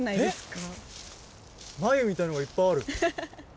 えっ繭みたいのがいっぱいある！